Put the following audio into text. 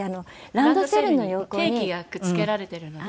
ランドセルに定期がくっつけられてるので。